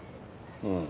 うん。